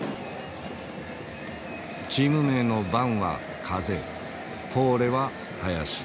チーム名の「ヴァン」は風「フォーレ」は林。